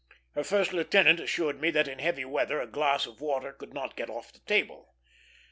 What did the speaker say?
Her first lieutenant assured me that in heavy weather a glass of water could not get off the table.